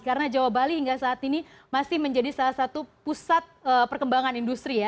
karena jawa bali hingga saat ini masih menjadi salah satu pusat perkembangan industri ya